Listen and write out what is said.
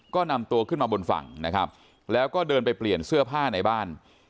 ก็นำตัวขึ้นมาบนฝั่งนะครับแล้วก็เดินไปเปลี่ยนเสื้อผ้าในบ้าน